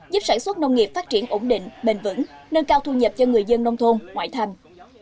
giúp sản xuất nông nghiệp phát triển ổn định bền vững nâng cao thu nhập cho người dân nông thôn ngoại thành